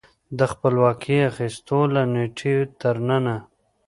د خپلواکۍ د اخیستو له نېټې تر ننه